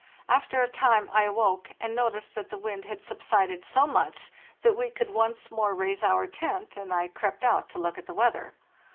After a time I awoke, and noticed that the wind had subsided so much that we could once more raise our tent, and I crept out to look at the weather.